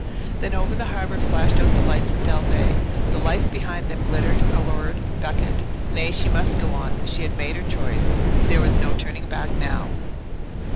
Then over the harbour flashed out the lights of Dalveigh. The life behind them glittered, allured, beckoned. Nay, she must go on she had made her choice. There was no turning back now.